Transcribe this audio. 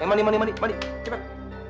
eh mandi mandi mandi cepet